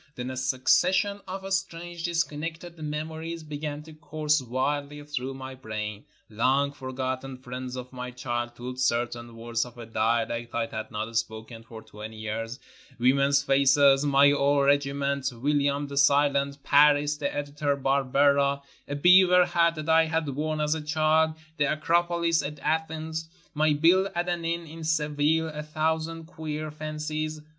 Then a succes sion of strange, disconnected memories began to course wildly through my brain; long forgotten friends of my childhood; certain words of a dialect I had not spoken for twenty years; women's faces; my old regiment; William the Silent; Paris; the editor Barbera; a beaver hat that I had worn as a child; the Acropolis at Athens; my bill at an inn in Seville ; a thousand queer fancies.